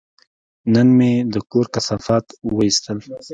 نن مې د کور کثافات وایستل.